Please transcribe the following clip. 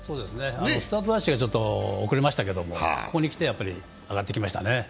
スタートダッシュが少し遅れましたけれどもここにきてやっぱり上がってきましたね。